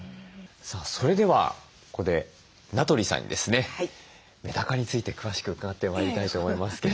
それではここで名取さんにですねメダカについて詳しく伺ってまいりたいと思いますけれども。